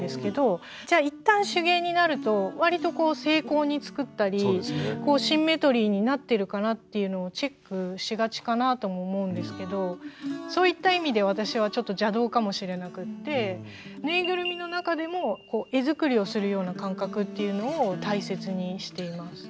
じゃあ一旦手芸になるとわりとこう精巧に作ったりシンメトリーになってるかなっていうのをチェックしがちかなとも思うんですけどそういった意味で私はちょっと邪道かもしれなくてっていうのを大切にしています。